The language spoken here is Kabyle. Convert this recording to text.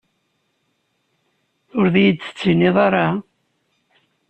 Ur iyi-d-tettinid ara?